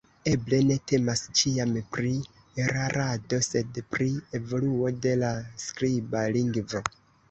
Eble ne temas ĉiam pri erarado, sed pri evoluo de la skriba lingvo.